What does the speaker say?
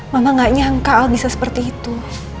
mama gak nyangka kalau bisa seperti itu